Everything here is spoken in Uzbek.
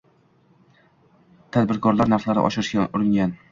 Tadbirkorlar narxlarni oshirishga uringan